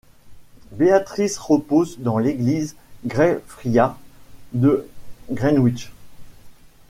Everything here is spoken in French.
Béatrice repose dans l'église Grey Friars de Greenwich.